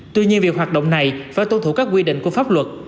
tuy nhiên việc hoạt động này phải tuân thủ các quy định của pháp luật